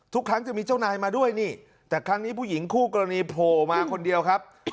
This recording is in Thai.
ทุกครั้งจะมีเจ้านายมาด้วยนี่แต่ครั้งนี้ผู้หญิงคู่กรณีโผล่มาคนเดียวครับ